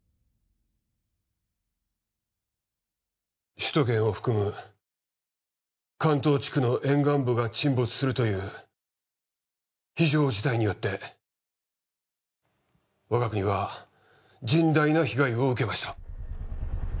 首都圏を含む関東地区の沿岸部が沈没するという非常事態によって我が国は甚大な被害を受けました